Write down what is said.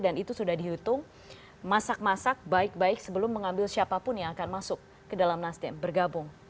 dan itu sudah dihitung masak masak baik baik sebelum mengambil siapapun yang akan masuk ke dalam nasdem bergabung